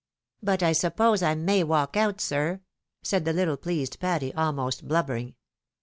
" But I suppose I may walkout, sir? " said the httle pleased Patty, almost'blubbering.